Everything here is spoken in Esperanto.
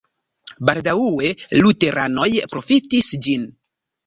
Baldaŭe luteranoj profitis ĝin.